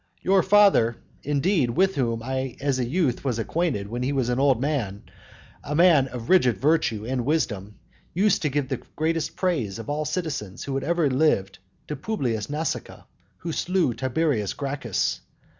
Your father, indeed, with whom I as a youth was acquainted, when he was an old man, a man of rigid virtue and wisdom, used to give the greatest praise of all citizens who had ever lived to Publius Nasica, who slew Tiberius Gracchus.